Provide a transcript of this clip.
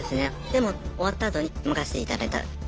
でも終わったあとに任せていただいた担当から